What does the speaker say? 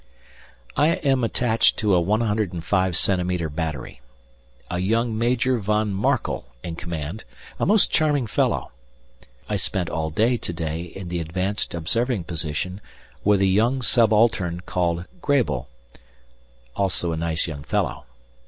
I am attached to a 105 cm. battery, a young Major von Markel in command, a most charming fellow. I spent all to day in the advanced observing position with a young subaltern called Grabel, also a nice young fellow.